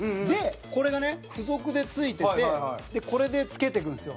これがね、付属で付いててこれで付けていくんですよ。